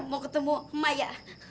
mau ketemu maya